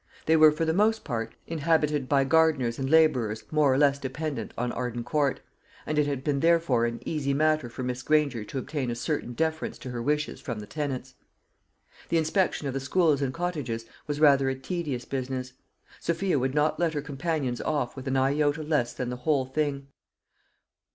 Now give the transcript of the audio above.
They were for the most part inhabited by gardeners and labourers more or less dependent on Arden Court, and it had been therefore an easy matter for Miss Granger to obtain a certain deference to her wishes from the tenants. The inspection of the schools and cottages was rather a tedious business. Sophia would not let her companions off with an iota less than the whole thing.